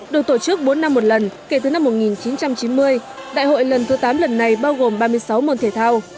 được tổ chức bốn năm một lần kể từ năm một nghìn chín trăm chín mươi đại hội lần thứ tám lần này bao gồm ba mươi sáu môn thể thao